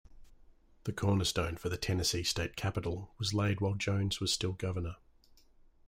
The cornerstone for the Tennessee State Capitol was laid while Jones was still governor.